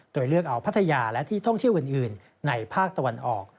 โดยเลือกเอาพัทยาและที่ท่องเที่ยวอื่นในภาคตะวันออก